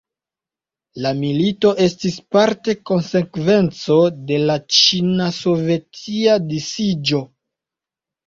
La milito estis parte konsekvenco de la Ĉina-sovetia disiĝo.